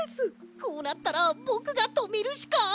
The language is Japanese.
こうなったらぼくがとめるしか。